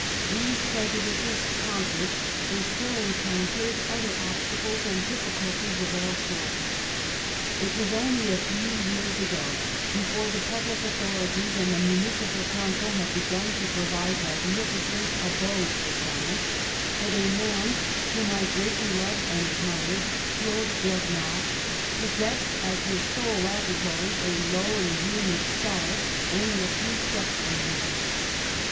These prejudices con quered, they still encountered other obstacles and difl&culties of all sorts. "It was only a few years ago, before the public authorities and the municipal council had begun to provide magnificent abodes for science, that a man whom I greatly loved and admired, Claude Ber nard, possessed as his sole laboratory a low and humid cellar, only a few steps from here.